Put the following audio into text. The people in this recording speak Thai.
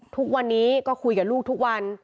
ทุกวันนี้ก็คุยกับลูกทุกวัน